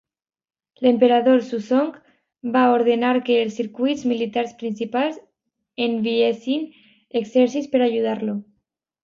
L'emperador Suzong va ordenar que els circuits militars principals enviessin exèrcits per ajudar-lo.